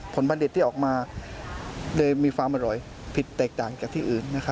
ผลบัณฑฤทธิ์ที่ออกมาเลยมีฟาร์มอร่อยผิดแตกต่างกับที่อื่น